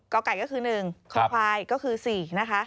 ไก่ก็คือ๑คอควายก็คือ๔นะคะ